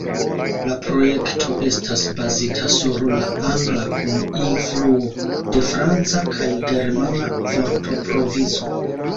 La projekto estas bazita sur la angla kun influo de franca kaj germana vortprovizo.